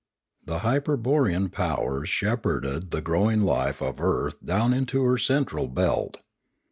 The hyperborean powers shepherded the growing life of the earth down into her ceutral belt.